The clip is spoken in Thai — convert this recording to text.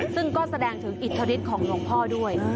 ซึ่งก็แสดงถึงอิทธิฤทธิของหลวงพ่อด้วย